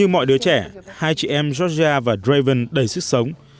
trong mọi đứa trẻ hai chị em georgia và draven đầy sức sống